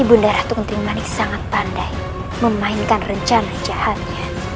ibu darah tungting manik sangat pandai memainkan rencana jahatnya